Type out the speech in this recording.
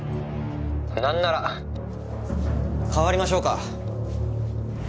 なんなら代わりましょうか？